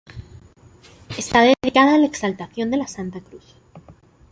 Está dedicada a la Exaltación de la Santa Cruz.